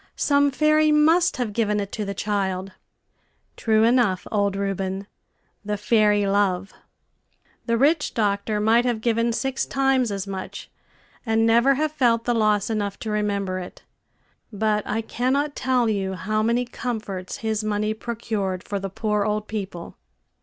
Some fairy must have given it to the child. True enough, old Reuben the fairy LOVE! The rich doctor might have given six times as much, and never have felt the loss enough to remember it. But I cannot tell you how many comforts his money procured for the poor old people.